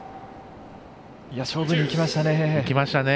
勝負にいきましたね。